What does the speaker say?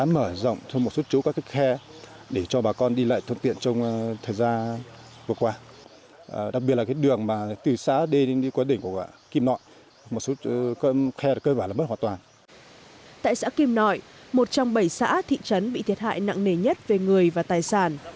một trong bảy xã thị trấn bị thiệt hại nặng nề nhất về người và tài sản